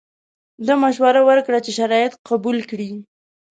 ده مشوره ورکړه چې شرایط قبول کړي.